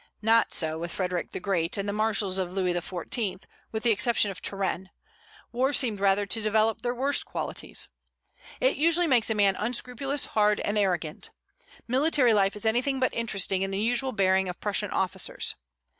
Not so with Frederic the Great, and the marshals of Louis XIV., with the exception of Turenne: war seemed rather to develop their worst qualities. It usually makes a man unscrupulous, hard, and arrogant. Military life is anything but interesting in the usual bearing of Prussian officers.